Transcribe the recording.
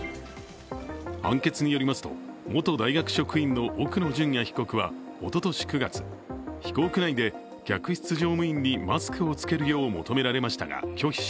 判決によりますと、元大学職員の奥野淳也被告はおととし９月、飛行機内で客室乗務員にマスクを着けるよう求められましたが、拒否し